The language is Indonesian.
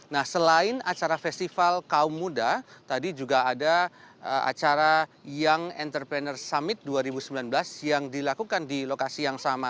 nah selain acara festival kaum muda tadi juga ada acara young entrepreneur summit dua ribu sembilan belas yang dilakukan di lokasi yang sama